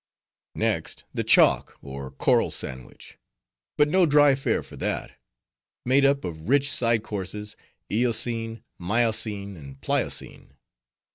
"Next the Chalk, or Coral sandwich; but no dry fare for that; made up of rich side courses,—eocene, miocene, and pliocene.